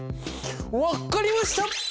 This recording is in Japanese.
分っかりました！